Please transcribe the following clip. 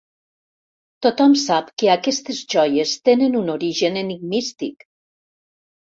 Tothom sap que aquestes joies tenen un origen enigmístic.